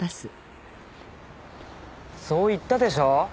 そう言ったでしょ。